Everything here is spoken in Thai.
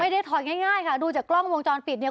ถอยง่ายค่ะดูจากกล้องวงจรปิดเนี่ย